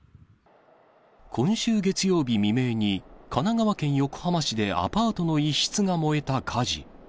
今週月曜日未明に、神奈川県横浜市でアパートの一室が燃えた火事。